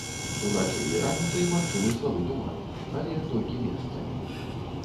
Уначы і раніцай магчымы слабы туман, але толькі месцамі.